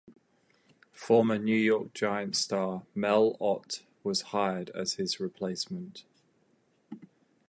Former New York Giants star Mel Ott was hired as his replacement.